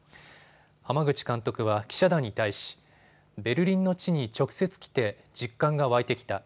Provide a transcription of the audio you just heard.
濱口監督は記者団に対し、ベルリンの地に直接来て実感が湧いてきた。